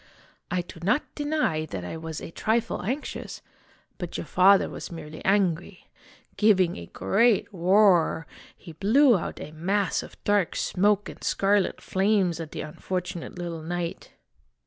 "I do not deny that I was a trifle anxious; but your father was merely angry. Giving a great roar, he blew out a mass of dark smoke and scarlet flames at the unfortunate little knight.